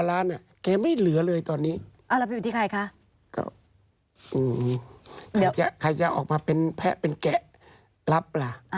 ก็ใครจะออกมาแพะเป็นแกะรับล่ะ